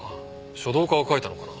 書道家が書いたのかな？